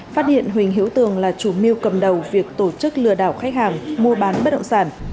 phát hiện huỳnh hữu tường là chủ mưu cầm đầu việc tổ chức lừa đảo khách hàng mua bán bất động sản